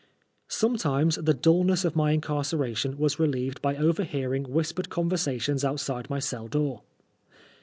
Sometimes the dnlness of my incarceration was re Heved by overhearing whispered conversations outside my cell door.